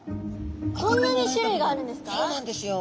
こんなに種類があるんですか？